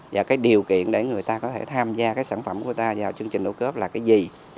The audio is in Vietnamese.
và cái điều kiện để người ta có thể tham gia cái sản phẩm của ta vào chương trình ô cớp là cái gì